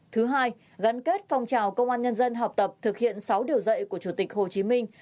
thứ hai gắn kết phong trào công an nhân dân học tập thực hiện sáu điều dạy của chủ tịch hồ chí minh